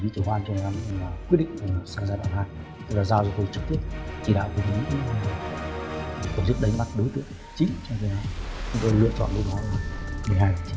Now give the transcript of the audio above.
chúng tôi lựa chọn đối tượng đó là một mươi hai